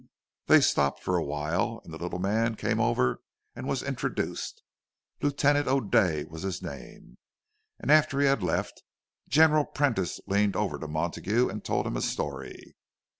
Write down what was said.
They stopped for a while, and the little man came over and was introduced. Lieutenant O'Day was his name; and after he had left, General Prentice leaned over to Montague and told him a story.